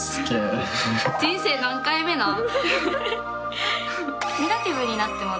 人生何回目なん？